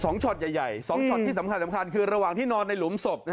ช็อตใหญ่สองช็อตที่สำคัญสำคัญคือระหว่างที่นอนในหลุมศพ